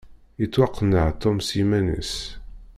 Yettwaqenneɛ Tom s yiman-is.